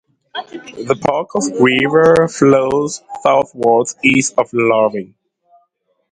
The Pecos River flows southwards east of Loving.